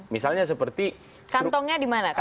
misalnya seperti kantongnya di mana